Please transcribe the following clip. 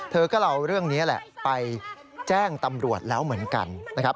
เธอก็เอาเรื่องนี้แหละไปแจ้งตำรวจแล้วเหมือนกันนะครับ